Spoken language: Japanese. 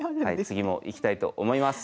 次もいきたいと思います。